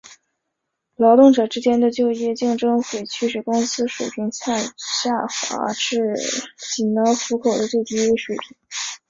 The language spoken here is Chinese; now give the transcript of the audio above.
劳动者之间的就业竞争会驱使工资水平下滑至仅能糊口的最低水平。